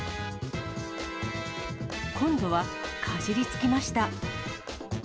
今度はかじりつきました。